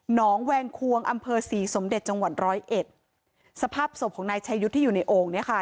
งแวงควงอำเภอศรีสมเด็จจังหวัดร้อยเอ็ดสภาพศพของนายชายุทธ์ที่อยู่ในโอ่งเนี้ยค่ะ